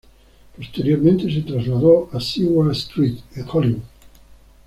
Posteriormente se trasladó a Seward Street en Hollywood.